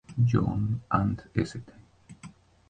John and St.